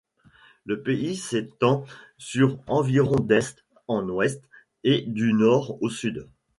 Le pays s’étend sur environ d’est en ouest et du nord au sud.